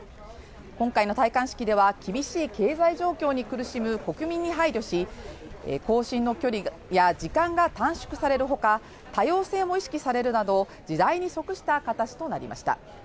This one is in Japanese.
今回の戴冠式では厳しい経済状況に苦しむ国民に配慮し、行進の距離や時間が短縮されるほか多様性も意識されるなど、時代に則した形となりました。